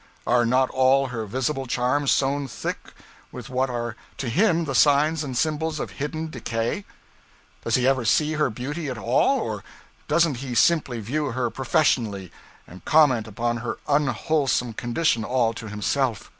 Are not all her visible charms sown thick with what are to him the signs and symbols of hidden decay? Does he ever see her beauty at all, or doesn't he simply view her professionally, and comment upon her unwholesome condition all to himself?